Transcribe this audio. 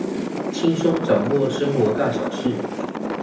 輕鬆掌握生活大小事